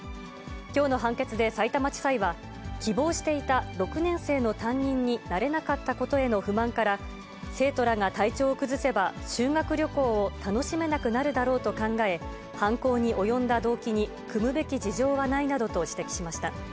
きょうの判決でさいたま地裁は、希望していた６年生の担任になれなかったことへの不満から、生徒らが体調を崩せば、修学旅行を楽しめなくなるだろうと考え、犯行に及んだ動機に酌むべき事情はないなどとしました。